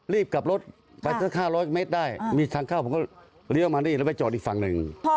รีบกลับรถไปสัก๕๐๐เมตรได้มีทางเข้าผมก็เลี้ยวมานี่แล้วไปจอดอีกฝั่งหนึ่ง